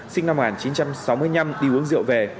sinh năm một nghìn chín trăm sáu mươi năm đi uống rượu về